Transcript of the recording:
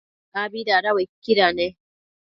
abi dada uaiquida ne?